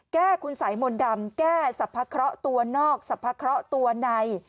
แก้คุณสายมนต์ดำแก้สรรพเคราะห์ตัวนอกสรรพเคราะห์ตัวใน